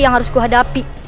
yang harus kuhadapi